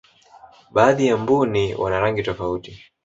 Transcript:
baadhi ya mbuni wana rangi tofauti